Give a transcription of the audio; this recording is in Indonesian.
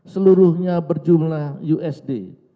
seluruhnya berjumlah usd